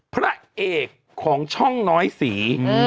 พระเอกของช่องน้อยสี